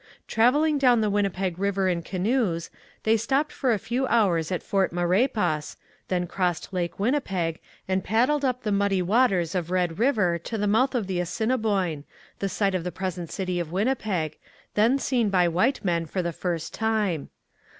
Travelling down the Winnipeg river in canoes, they stopped for a few hours at Fort Maurepas, then crossed Lake Winnipeg and paddled up the muddy waters of Red River to the mouth of the Assiniboine, the site of the present city of Winnipeg, then seen by white men for the first time.